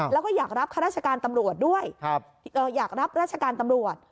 แล้วก็อยากรับข้าราชการตำรวจด้วยอยากรับราชการตำรวจ